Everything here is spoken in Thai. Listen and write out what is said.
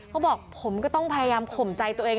เขาบอกผมก็ต้องพยายามข่มใจตัวเอง